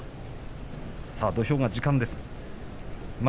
土俵が時間です。